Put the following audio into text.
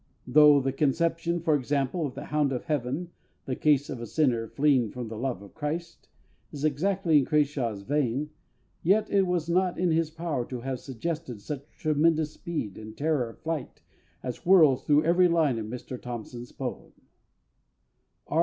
Though the conception, for example, of The Hound of Heaven the case of a sinner fleeing from the love of Christ is exactly in CRASHAW'S vein, yet it was not in his power to have suggested such tremendous speed and terror of flight as whirls through every line of Mr THOMPSON'S poem. R.